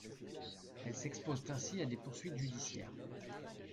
Elles s'exposent ainsi à des poursuites judiciaires.